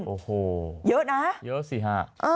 โอ้โหเยอะนะเยอะสิฮะ